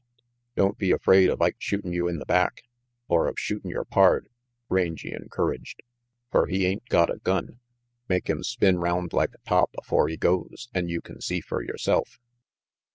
"Don't be afraid of Ike shootin' you in the back, or of shootin' your pard," Rangy encouraged, "fer he ain't got a gun. Make him spin round like a top afore he goes, an' you can see fer yourself."